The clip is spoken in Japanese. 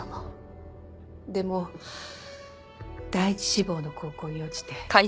でも第一志望の高校に落ちて。